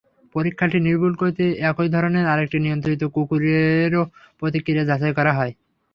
পরীক্ষাটি নির্ভুল করতে একই ধরনের আরেকটি নিয়ন্ত্রিত কুকুরেরও প্রতিক্রিয়া যাচাই করা হয়।